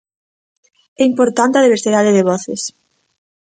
É importante a diversidade de voces.